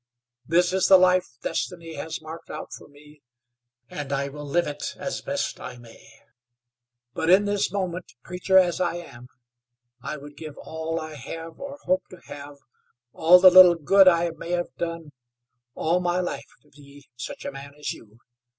This is the life destiny has marked out for me, and I will live it as best I may; but in this moment, preacher as I am, I would give all I have or hope to have, all the little good I may have done, all my life, to be such a man as you.